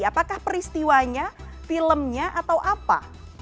apakah peristiwanya filmnya atau apa